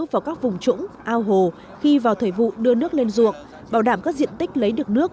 vào các vùng trũng ao hồ khi vào thời vụ đưa nước lên ruộng bảo đảm các diện tích lấy được nước